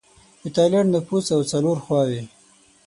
د ټایلنډ نفوس او څلور خواووې